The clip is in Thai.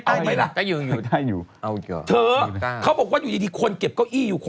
เธอเขาบอกว่าอยู่ที่ที่คนเก็บเก้าอี้อยู่